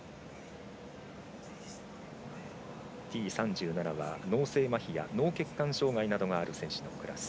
Ｔ３７は脳性まひや脳血管障がいなどがある選手のクラス。